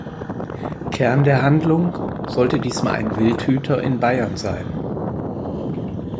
Kern der Handlung sollte diesmal ein Wildhüter in Bayern sein.